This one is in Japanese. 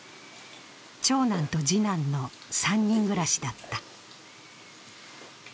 長男と次男の３人暮らしだった。